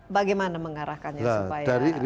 bagaimana mengarahkannya supaya